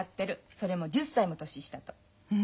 それも１０歳も年下と。